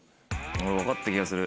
分かった気がする。